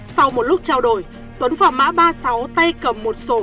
sau một lúc trao đổi tuấn phỏ má ba mươi sáu tay cầm một sổ